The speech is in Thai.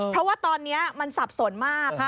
เพราะว่าตอนนี้มันสับสนมาก